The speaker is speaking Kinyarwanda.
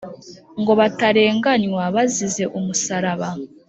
Ngo batarenganywa bazize umusaraba